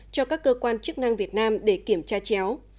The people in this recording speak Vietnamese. cho các cơ quan chức năng việt nam để kiểm tra chéo